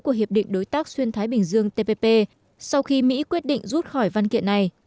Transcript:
của hiệp định đối tác xuyên thái bình dương tpp sau khi mỹ quyết định rút khỏi văn kiện này